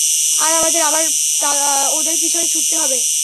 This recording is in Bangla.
আর আমাদের আবার অদের পিছনে ছুটতে হবে।